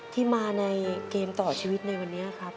ที่มาในเกมต่อชีวิตในวันนี้ครับ